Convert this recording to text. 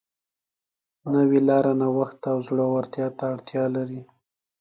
نوې لاره نوښت او زړهورتیا ته اړتیا لري.